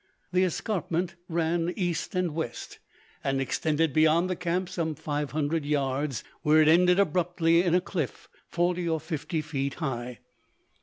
The escarpment ran east and west, and extended beyond the camp some 500 yards, where it ended abruptly in a cliff forty or fifty feet high.